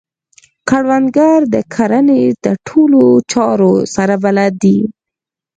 کروندګر د کرنې د ټولو چارو سره بلد دی